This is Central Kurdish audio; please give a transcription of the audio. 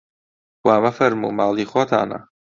وا مەفەرموو ماڵی خۆتانە